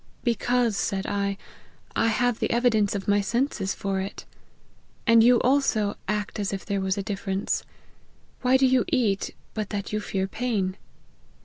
' Because,' said I, ' I have the evidence of my senses for it. And you also act as if there was a difference. Why do you eat, but that you fear pain